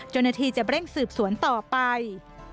จนนาทีจะเร่งสืบสวนต่อไป